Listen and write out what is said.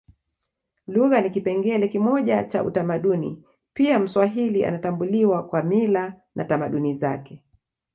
Lugha ni kipengele kimoja cha utamaduni pia mswahili anatambuliwa kwa mila na tamaduni zake